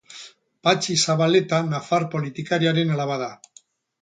Patxi Zabaleta nafar politikariaren alaba da.